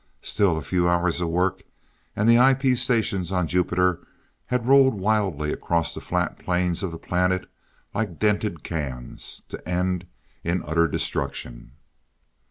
Still a few hours of work, and the IP stations on Jupiter had rolled wildly across the flat plains of the planet like dented cans, to end in utter destruction.